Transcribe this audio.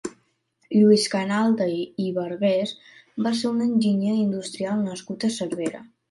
Lluís Canalda i Bargués va ser un enginyer industrial nascut a Cervera.